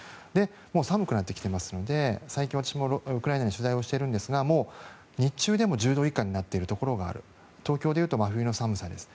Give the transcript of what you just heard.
もう寒くなってきていますので最近、私もウクライナに取材しているんですがもう日中でも１０度以下になっているところがある東京で言うと真冬の寒さです。